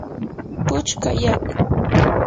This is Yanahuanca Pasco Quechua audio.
puchka yaku.